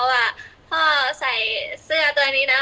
บอกพ่อว่าพ่อใส่เสื้อตัวนี้นะ